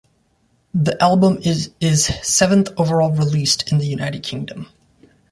The album is his seventh overall released in the United Kingdom.